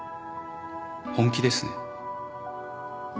本気ですね。